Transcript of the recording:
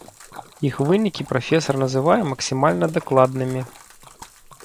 Іх вынікі прафесар называе максімальна дакладнымі.